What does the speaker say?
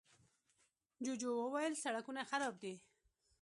جوجو وويل، سړکونه خراب دي.